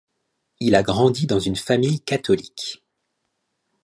Il a grandi dans une famille catholique.